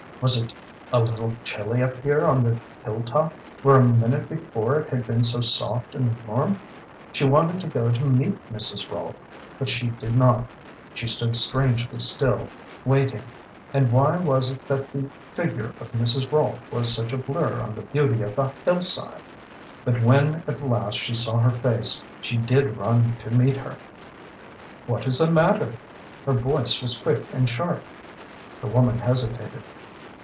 Was it a little chilly up here on the hill top where a minute before it had been so soft and warm? She wanted to go to meet Mrs. Rolfe, but she did not; she stood strangely still, waiting. And why was it that the figure of Mrs. Rolfe was such a blur on the beauty of the hillside? But when at last she saw her face she did run to meet her. "What is the matter?" her voice was quick and sharp. The woman hesitated.